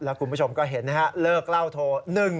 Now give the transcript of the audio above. แล้วคุณผู้ชมก็เห็นนะครับเลิกเล่าโทร๑๔๑๓